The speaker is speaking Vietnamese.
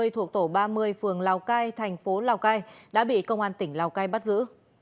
thuộc tổ ba mươi phường lào cai thành phố lào cai đã bị công an tỉnh lào cai bắt giữ